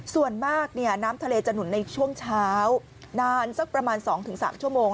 ส่วนมากน้ำทะเลจะหนุนในช่วงเช้านานสักประมาณ๒๓ชั่วโมง